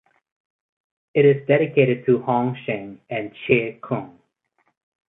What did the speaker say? It is dedicated to Hung Shing and Che Kung.